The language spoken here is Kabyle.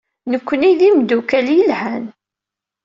Nekkni d imeddukal yelhan.